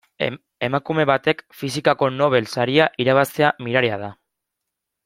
Emakume batek fisikako Nobel saria irabaztea miraria da.